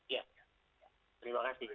iya terima kasih